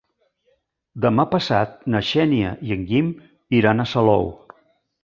Demà passat na Xènia i en Guim iran a Salou.